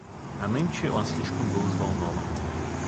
А нынче он слишком был взволнован.